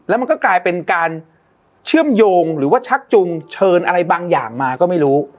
แล้วมันก็กลายเป็นการเชื่อมโยงหรือว่าชักจุงเชิญอะไรบางอย่างมาก็ไม่รู้